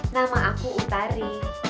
nama aku utari